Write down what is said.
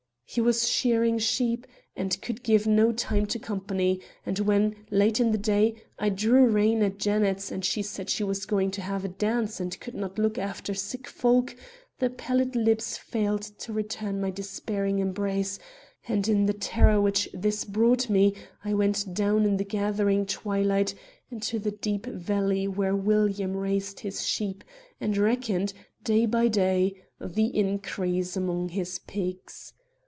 "He was shearing sheep, and could give no time to company; and when, late in the day, I drew rein at Janet's, and she said she was going to have a dance and could not look after sick folk, the pallid lips failed to return my despairing embrace; and in the terror which this brought me I went down, in the gathering twilight, into the deep valley where William raised his sheep and reckoned, day by day, the increase among his pigs.